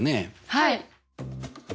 はい。